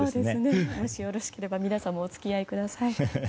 もしよろしければ皆さんもお付き合いください。